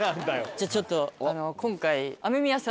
じゃあちょっと。